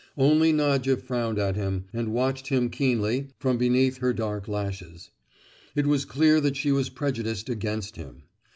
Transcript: Only Nadia frowned at him, and watched him keenly from beneath her dark lashes. It was clear that she was prejudiced against him.